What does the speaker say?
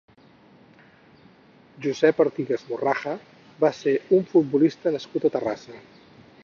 Josep Artigas Morraja va ser un futbolista nascut a Terrassa.